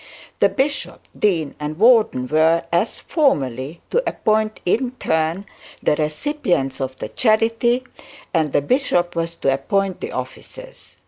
The bishop, dean, and warden, were, as formerly, to appoint in turn the recipients of the charity, and the bishop was to appoint the officers.